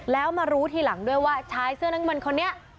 แล้วมารู้ทีหลังด้วยว่าชายเสื้อน้ำเงินคนนี้